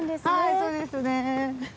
はいそうですね。